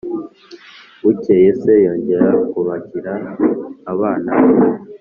bukeye se yongera kubagira abana be.